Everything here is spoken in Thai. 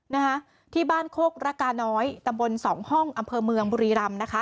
นะคะที่บ้านโคกระกาน้อยตำบลสองห้องอำเภอเมืองบุรีรำนะคะ